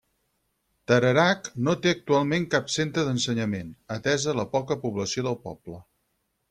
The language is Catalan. Tarerac no té actualment cap centre d'ensenyament, atesa la poca població del poble.